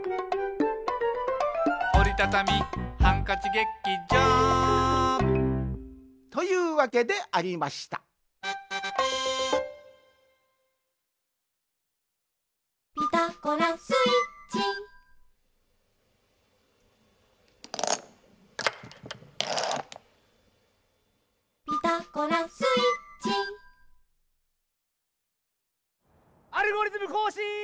「おりたたみハンカチ劇場」というわけでありました「ピタゴラスイッチ」「ピタゴラスイッチ」「アルゴリズムこうしん」！